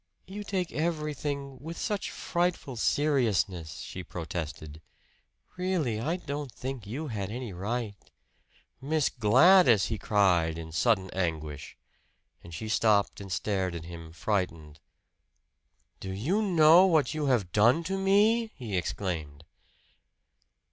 "You take everything with such frightful seriousness," she protested. "Really, I don't think you had any right " "Miss Gladys!" he cried in sudden anguish; and she stopped and stared at him, frightened. "Do you know what you have done to me?" he exclaimed.